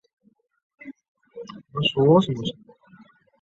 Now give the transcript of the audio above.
馆内现有农业历史和动物资源两个展馆。